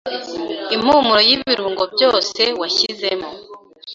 impumuro y’ibirungo byose washyizemo.